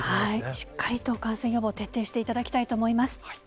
しっかりと感染予防、徹底していただきたいと思います。